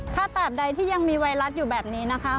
ถ้าตามใดที่ยังมีไวรัสอยู่แบบนี้นะคะ